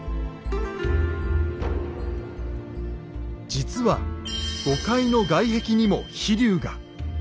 実は５階の外壁にも飛龍が。